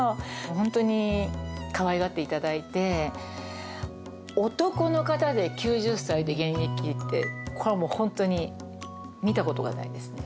本当にかわいがっていただいて、男の方で９０歳で現役って、これはもう本当に、見たことがないですね。